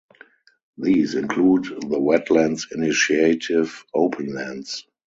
These include the Wetlands Initiative, Openlands.